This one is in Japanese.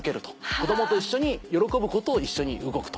子どもと一緒に喜ぶことを一緒に動くと。